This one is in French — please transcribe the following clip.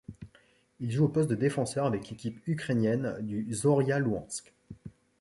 Il joue au poste de défenseur avec l'équipe ukrainienne du Zorya Louhansk.